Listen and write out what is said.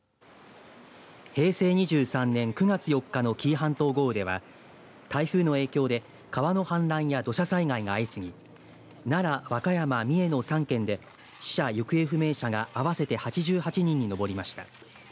平成２３年９月４日の紀伊半島豪雨では台風の影響で川の氾濫や土砂災害が相次ぎ奈良、和歌山、三重の３県で死者・行方不明者が合わせて８８人に上りました。